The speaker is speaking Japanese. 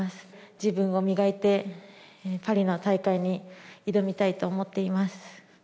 自分を磨いて、パリの大会に挑みたいと思っています。